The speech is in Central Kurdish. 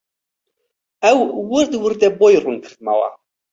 ئەو وردوردە بۆی ڕوون کردمەوە